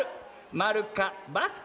○か×か？